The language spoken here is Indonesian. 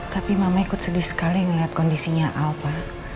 tapi mama ikut sedih sekali ngeliat kondisinya al pa